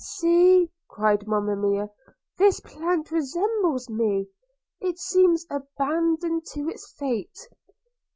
'See', cried Monimia, 'this plant resembles me! It seems abandoned to its fate.'